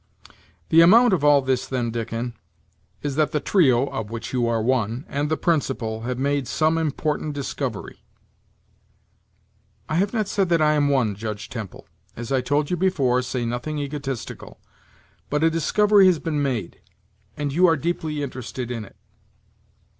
"The amount of all this, then, Dickon, is that the trio, of which you are one, and the principal, have made some important discovery." "I have not said that I am one, Judge Temple. As I told you before, say nothing egotistical. But a discovery has been made, and you are deeply interested in it."